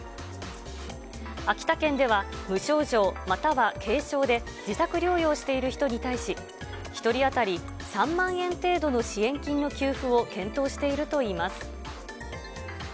秋田県では、無症状、または軽症で、自宅療養している人に対し、１人当たり３万円程度の支援金の給付を検討しているといいます。